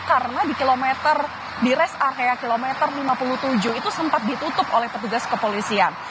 karena di kilometer di res area kilometer lima puluh tujuh itu sempat ditutup oleh petugas kepolisian